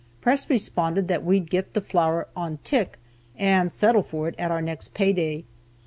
Press responded that we'd get the flour "on tick," and settle for it at our next pay day.